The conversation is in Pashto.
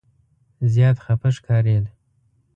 زیات خفه ښکارېد.